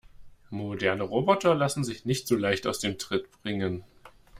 Moderne Roboter lassen sich nicht so leicht aus dem Tritt bringen.